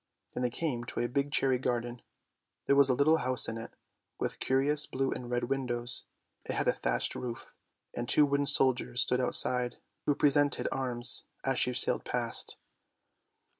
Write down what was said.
Then they came to a big cherry garden; there was a little house in it, with curious blue and red windows, it had a thatched 194 ANDERSEN'S FAIRY TALES roof, and two wooden soldiers stood outside, who presented arms as she sailed past.